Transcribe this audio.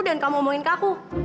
dan kamu omongin ke aku